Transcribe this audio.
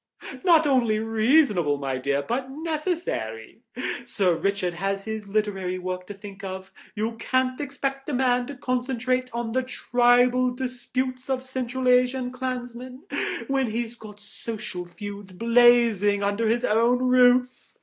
"Not only reasonable, my dear, but necessary. Sir Richard has his literary work to think of; you can't expect a man to concentrate on the tribal disputes of Central Asian clansmen when he's got social feuds blazing under his own roof."